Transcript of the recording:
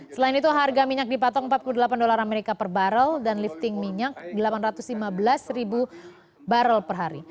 selain itu harga minyak dipatok rp empat puluh delapan per barrel dan lifting minyak rp delapan ratus lima belas barrel per hari